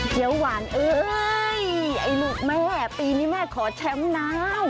เดี๋ยวหวานเอ้ยไอ้ลูกแม่ปีนี้แม่ขอแชมป์นะ